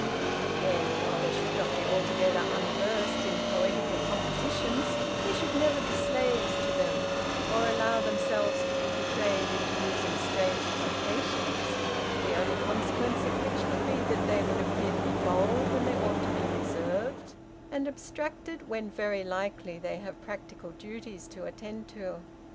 Again, while they should not be altogether unversed in poetical compositions, they should never be slaves to them, or allow themselves to be betrayed into using strange quotations, the only consequence of which would be that they would appear to be bold when they ought to be reserved, and abstracted when very likely they have practical duties to attend to.